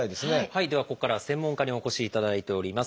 ではここからは専門家にお越しいただいております。